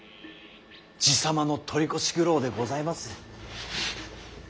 爺様の取り越し苦労でございます。